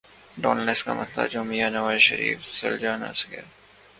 Dawn leaks کا مسئلہ جو میاں نواز شریف سلجھا نہ سکے۔